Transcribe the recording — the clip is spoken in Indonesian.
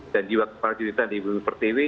dan juga kepala juritan di bumi pertiwi